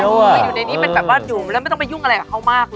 อยู่ในนี้เป็นแบบว่าอยู่แล้วไม่ต้องไปยุ่งอะไรกับเขามากเลย